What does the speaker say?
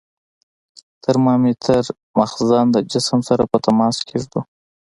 د ترمامتر مخزن د جسم سره په تماس کې ږدو.